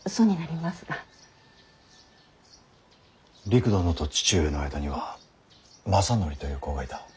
りく殿と父上の間には政範という子がいた。